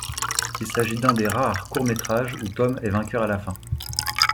Il s'agit d'un des rares courts métrages où Tom est vainqueur à la fin.